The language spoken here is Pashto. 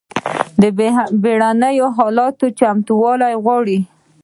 بیړني حالات چمتووالی غواړي